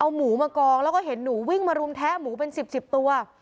เอาหมูมากองแล้วก็เห็นหนูวิ่งมารุมแทะหมูเป็น๑๐ตัว